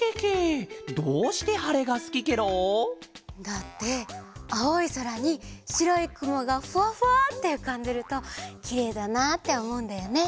どうしてはれがすきケロ？だってあおいそらにしろいくもがフワフワッてうかんでるときれいだなっておもうんだよね。